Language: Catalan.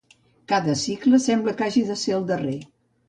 Cada cicle sembla que hagi de ser el darrer.